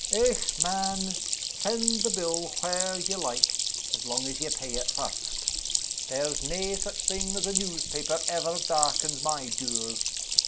"Eh, man! send the bill whar' ye like, as long as ye pay it first. There's nae such thing as a newspaper ever darkens my doors.